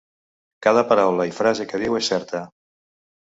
Cada paraula i frase que diu és certa.